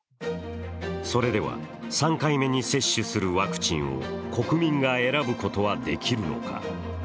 それでは、３回目に接種するワクチンを国民が選ぶことはできるのか？